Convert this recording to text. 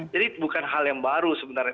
jadi bukan hal yang baru sebenarnya